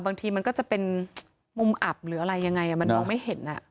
บางทีมันก็จะเป็นมุมอับหรืออะไรยังไงมันมองไม่เห็น